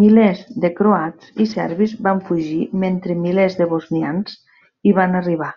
Milers de croats i serbis van fugir, mentre milers de bosnians hi van arribar.